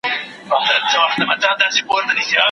پرون یې بیا راته په شپو پسي شپې ولیکلې